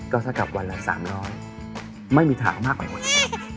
ก็ถ้ากับวันละ๓๐๐ไม่มีทางมากกว่านี้